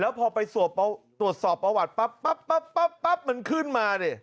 แล้วพอไปส่วนทรวดสอบประวัติปั๊ปปั๊ปมันขึ้นมาซะ